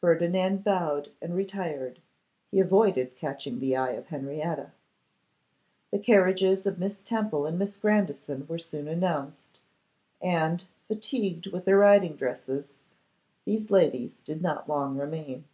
Ferdinand bowed and retired: he avoided catching the eye of Henrietta. The carriages of Miss Temple and Miss Grandison were soon announced, and, fatigued with their riding dresses, these ladies did not long remain.